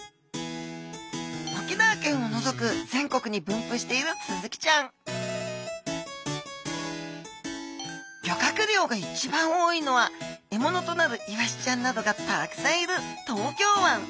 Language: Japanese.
沖縄県をのぞく全国に分布しているスズキちゃん漁獲量が一番多いのは獲物となるイワシちゃんなどがたくさんいる東京湾。